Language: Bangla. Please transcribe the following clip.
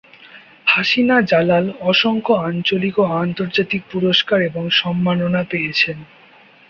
হাসিনা জালাল অসংখ্য আঞ্চলিক ও আন্তর্জাতিক পুরস্কার এবং সম্মাননা পেয়েছেন।